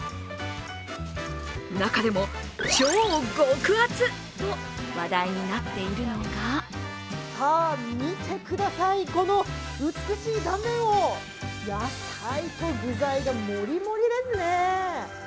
中でも超極厚と話題になっているのが見てください、この美しい断面を野菜と具材がもりもりですね。